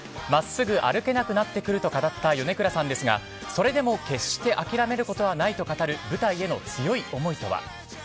真っすぐ歩けなくなってくると語った米倉さんですがそれでも決して諦めることはないと語る舞台への強い思いとは。